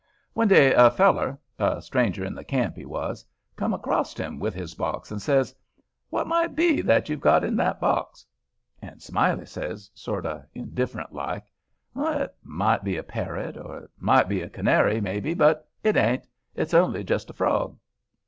One day a feller—a stranger in the camp, he was—come acrost him with his box, and says: "What might be that you've got in the box?" And Smiley says, sorter indifferent like, "It might be a parrot, or it might be a canary, maybe, but it ain't—it's only just a frog."